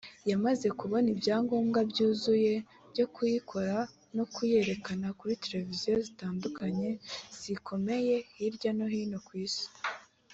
yamaze kubona ibyangombwa byuzuye byo kuyikora no kuyerekana kuri televiziyo zitandukanye zikomeye hirya no hino ku Isi